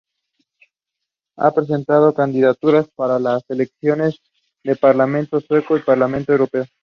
Han presentado candidaturas para las elecciones del parlamento sueco y del parlamento europeo.